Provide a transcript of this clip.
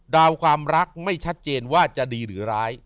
ความรักไม่ชัดเจนว่าจะดีหรือร้าย